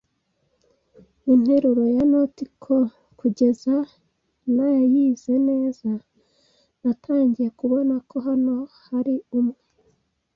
interuro ya nautical kugeza nayize neza. Natangiye kubona ko hano hari umwe